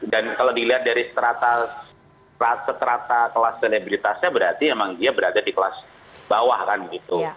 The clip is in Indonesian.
dan kalau dilihat dari seterata kelas selebritasnya berarti memang dia berada di kelas bawah kan gitu